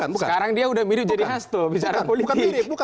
sekarang dia udah mirip jadi hasto bicara politik